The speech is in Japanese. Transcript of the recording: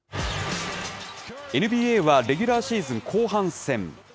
ＮＢＡは、レギュラーシーズン後半戦。